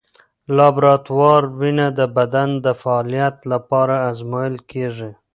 لابراتوار وینه د بدن د فعالیت لپاره ازمویل کېږي.